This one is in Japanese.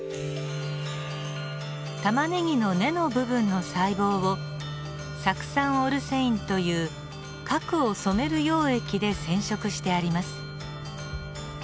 タマネギの根の部分の細胞を酢酸オルセインという核を染める溶液で染色してあります。